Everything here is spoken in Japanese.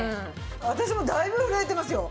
私もだいぶ震えてますよ。